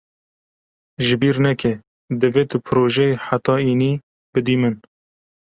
Ji bîr neke divê tu projeyê heta înê bidî min.